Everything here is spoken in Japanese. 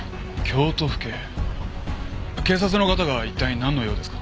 警察の方が一体なんの用ですか？